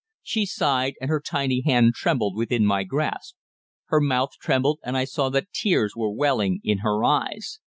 She sighed, and her tiny hand trembled within my grasp. Her mouth trembled, and I saw that tears were welling in her eyes.